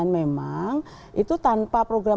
memang itu tanpa program